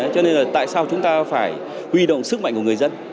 cho nên là tại sao chúng ta phải huy động sức mạnh của người dân